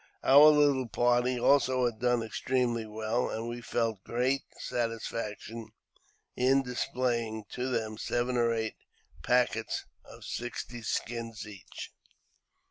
Our little party also had done extremely well, and we felt great satisfaction in displaying to them seven or eight packets of sixty skins each.